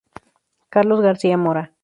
Carlos García Mora.